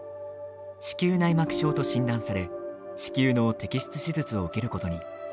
子宮内膜症と診断され子宮の摘出手術を受けることに。